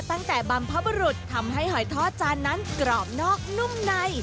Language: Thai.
บรรพบุรุษทำให้หอยทอดจานนั้นกรอบนอกนุ่มใน